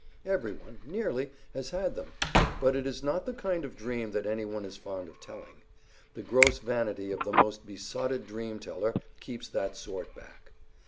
Everyone, nearly, has had them, but it is not the kind of dream that anyone is fond of telling: the gross vanity of the most besotted dream teller keeps that sort back.